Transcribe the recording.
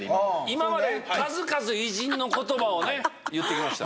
今まで数々偉人の言葉をね言ってきました。